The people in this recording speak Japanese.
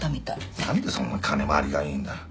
何でそんな金回りがいいんだ？